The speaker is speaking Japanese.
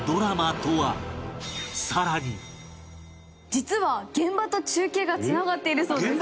実は現場と中継がつながっているそうです。